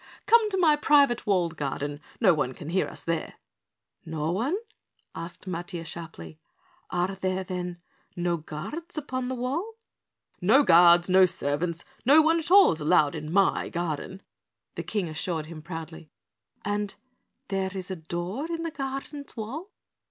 "Come to my private walled garden. No one can hear us there." "No one?" asked Matiah sharply. "Are there then no guards upon the wall?" "No guards no servants no one at all is allowed in my garden," the King assured him proudly. "And is there a door in the garden's wall?"